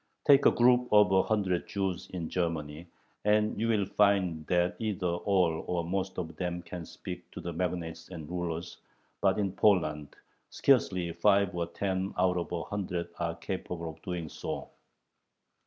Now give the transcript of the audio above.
Take a group of a hundred Jews in Germany, and you will find that either all or most of them can speak to the magnates and rulers, but in Poland scarcely five or ten out of a hundred are capable of doing so.